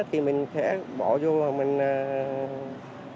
thì mình sẽ bỏ vô và mình không mặc nữa